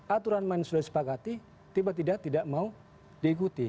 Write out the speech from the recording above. aturan main sudah disepakati tiba tiba tidak mau diikuti